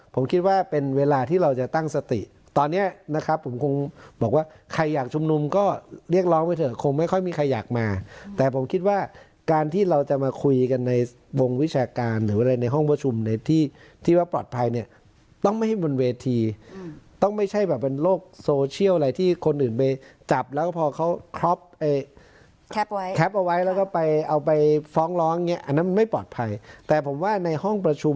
ผมคิดว่าเป็นเวลาที่เราจะตั้งสติตอนเนี้ยนะครับผมคงบอกว่าใครอยากชุมนุมก็เรียกร้องไปเถอะคงไม่ค่อยมีใครอยากมาแต่ผมคิดว่าการที่เราจะมาคุยกันในวงวิชาการหรืออะไรในห้องประชุมในที่ที่ว่าปลอดภัยเนี้ยต้องไม่ให้บนเวทีอืมต้องไม่ใช่แบบเป็นโลกโซเชียลอะไรที่คนอื่นไปจับแล้วก็พอเขาครอบเอ่ยแคปเอาไว้แล้วก็